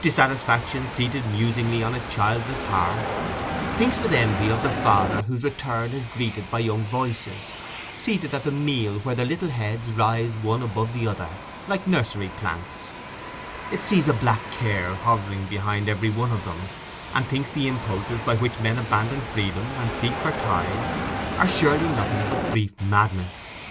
Dissatisfaction seated musingly on a childless hearth, thinks with envy of the father whose return is greeted by young voices—seated at the meal where the little heads rise one above another like nursery plants, it sees a black care hovering behind every one of them, and thinks the impulses by which men abandon freedom, and seek for ties, are surely nothing but a brief madness.